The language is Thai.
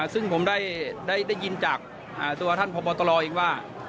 ซึ่งผมได้ยินจากตัวท่านพบตรเองว่า